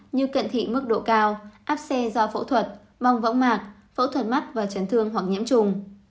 như cận thị mức độ cao áp xe do phẫu thuật bong võng mạc phẫu thuật mắt và chấn thương hoặc nhiễm trùng